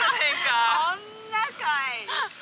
そんなかい！